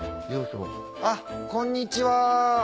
あっこんにちは。